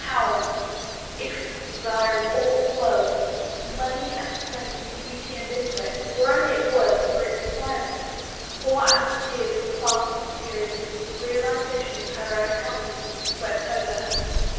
.. Power I It was the desire of all the world Money and strength and beauty and intellect were only of worth for its acquirement. Poor Anne's tears were fast and furious as the realiza tion of her own helplessness swept over her.